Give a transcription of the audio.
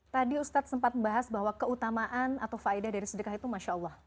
tadi ustadz sempat bahas bahwa keutamaan atau faidah dari sedekah itu masya allah